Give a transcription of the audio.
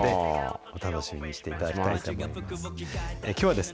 お楽しみにしていただきたいと思います。